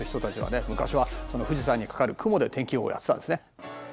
昔は富士山にかかる雲で天気予報やってたんですね。